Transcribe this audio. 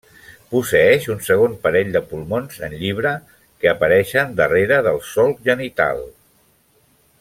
Posseeix un segon parell de pulmons en llibre, que apareixen darrere del solc genital.